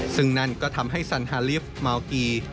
ซึ่งนั่นก็ทำให้สันฮาลิฟต์เมากี